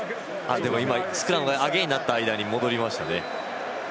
スクラム、アゲインになった間に戻りましたね。